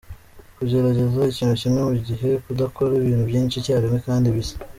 Kugerageza ikintu kimwe mu gihe; kudakora ibintu byinshi icyarimwe kandi bisa.